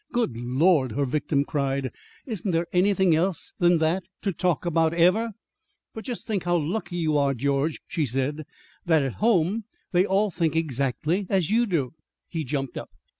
"Good Lord!" her victim cried. "Isn't there anything else than that to talk about ever?" "But just think how lucky you are, George," she said, "that at home they all think exactly as you do!" He jumped up.